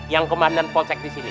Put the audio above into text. yang kemarin polsek disini